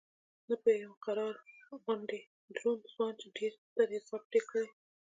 نه پوهېږم قرار غوندې دروند ځوان چې ډېر ستر حساب پرې کړی.